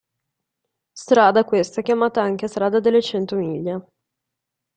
Strada questa chiamata anche Strada delle cento miglia.